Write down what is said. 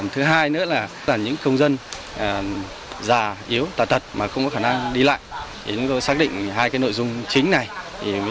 thứ hai nữa là những công dân già yếu tà tật mà không có khả năng đi lại thì chúng tôi xác định hai nội dung chính này